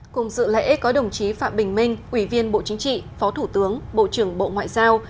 cùng dự lễ có đồng chí phạm bình minh ủy viên bộ chính trị phó thủ tướng bộ trưởng bộ ngoại giao